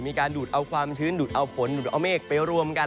ดูดเอาความชื้นดูดเอาฝนดูดเอาเมฆไปรวมกัน